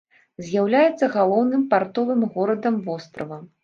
З'яўляецца галоўным партовым горадам вострава.